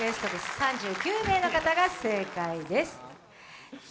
３９名の方が正解です。